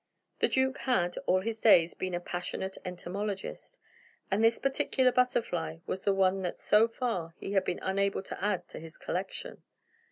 The duke had, all his days, been a passionate entomologist, and this particular butterfly was the one that so far he had been unable to add to his collection.